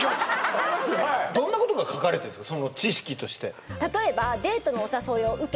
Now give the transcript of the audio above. はいどんなことが書かれてるんですか？